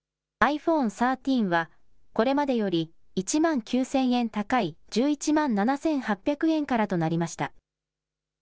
ｉＰｈｏｎｅ１３は、これまでより１万９０００円高い１１万７８００円からとなりました。